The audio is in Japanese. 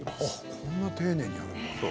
こんな丁寧にやるんだ。